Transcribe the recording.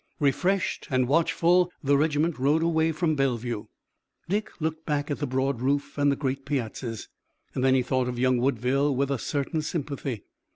Refreshed and watchful, the regiment rode away from Bellevue. Dick looked back at the broad roof and the great piazzas, and then he thought of young Woodville with a certain sympathy.